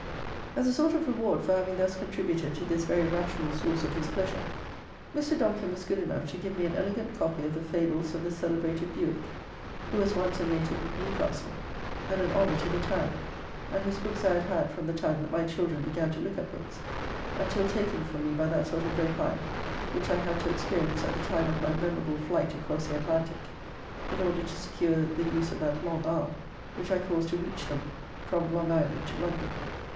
As a sort of reward for having thus contributed to this very rational source of his pleasure, Mr. Donkin was good enough to give me an elegant copy of the fables of the celebrated Bewick, who was once a native of Newcastle and an honour to the town, and whose books I had had from the time that my children began to look at books, until taken from me by that sort of rapine which I had to experience at the time of my memorable flight across the Atlantic, in order to secure the use of that long arm which I caused to reach them from Long Island to London.